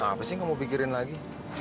apa sih yang kamu pikirin lagi